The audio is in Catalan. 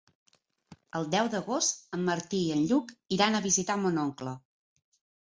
El deu d'agost en Martí i en Lluc iran a visitar mon oncle.